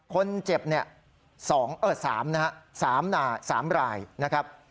คนเจ็บ๓สีเหล่านี่ครับ